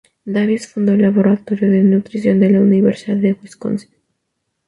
Davis fundó el laboratorio de nutrición de la Universidad de Wisconsin.